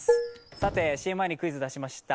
さて、ＣＭ前にクイズを出しました。